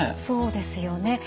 そうですよね。